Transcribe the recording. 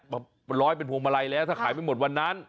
ร้อยเป็นพวงมาลัยแล้วถ้าขายไม่หมดวันนั้น